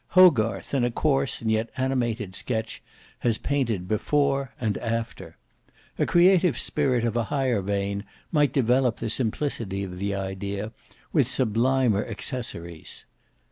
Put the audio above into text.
Hogarth in a coarse and yet animated sketch has painted "Before" and "After." A creative spirit of a higher vein might develop the simplicity of the idea with sublimer accessories.